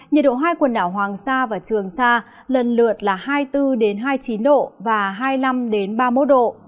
nhiệt độ hai quần đảo hoàng sa và trường sa lần lượt là hai mươi bốn hai mươi chín độ và hai mươi năm ba mươi một độ